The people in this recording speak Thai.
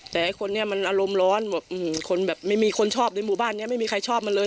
แต่ไอ้คนนี้มันอารมณ์ร้อนไม่มีใครผมชอบในหมู่บ้านเนี้ยไม่มีใครชอบมาเลย